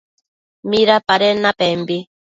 ¿Midapaden napembi?